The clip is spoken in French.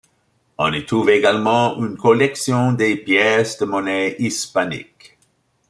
On y trouve également une collection de pièces de monnaies hispaniques.